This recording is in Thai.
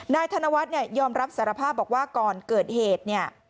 ธนวัฒน์ยอมรับสารภาพบอกว่าก่อนเกิดเหตุเนี่ย